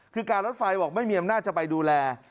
คือการรถไฟบอกไม่มีอำนาจจะไปดูแล